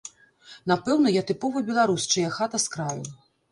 Напэўна, я тыповы беларус, чыя хата з краю.